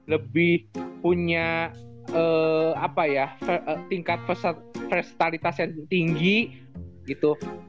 lebih punya tingkat versatalitas yang tinggi gitu